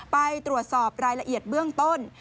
ไปตรวจสอบรายละเอียดเบื้องต้น